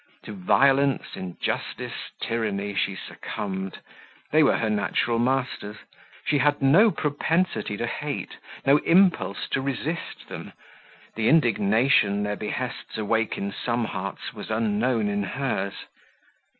To violence, injustice, tyranny, she succumbed they were her natural masters; she had no propensity to hate, no impulse to resist them; the indignation their behests awake in some hearts was unknown in hers.